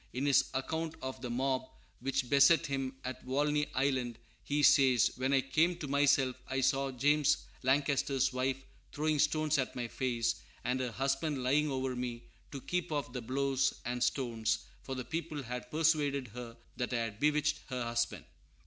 In his account of the mob which beset him at Walney Island, he says: "When I came to myself I saw James Lancaster's wife throwing stones at my face, and her husband lying over me to keep off the blows and stones; for the people had persuaded her that I had bewitched her husband."